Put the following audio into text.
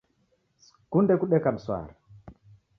Sikunde kudeka mswara